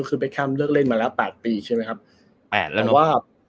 คือเบ็กแคมป์เลิกเล่นมาแล้ว๘ปีใช่ไหมครับ